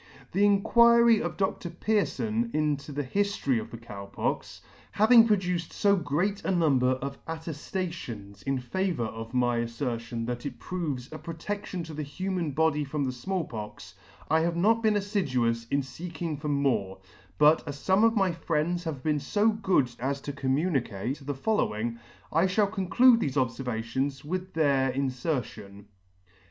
The Inquiry of Dr. Pearfon into the Hiflory of the Cow Pox, having produced fo great a number of attentions in favour of my affertion that it proves a protection to the human body from the Small Pox, I have not been afliduous in feeking for more ; but as fome of my friends have been fo good as to communicate the 1 [ 123 ] the following, 1 (ha.ll conclude thefe obfervations with their infertion.